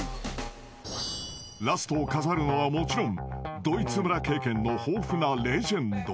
［ラストを飾るのはもちろんドイツ村経験の豊富なレジェンド］